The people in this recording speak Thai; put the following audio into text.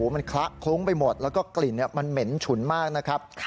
มันคละคลุ้งไปหมดแล้วก็กลิ่นมันเหม็นฉุนมากนะครับ